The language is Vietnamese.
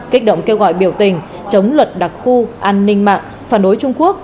kích động kêu gọi biểu tình chống luật đặc khu an ninh mạng phản đối trung quốc